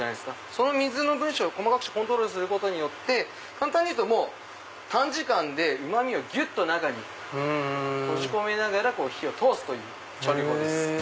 その水の分子を細かくしてコントロールすることによって簡単に言うと短時間でうま味をギュっと中に閉じ込めながら火を通すという調理法です。